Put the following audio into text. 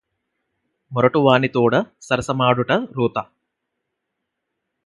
మొరటువానితోడ సరసమాడుట రోత